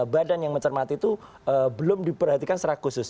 badan yang mencermati itu belum diperhatikan secara khusus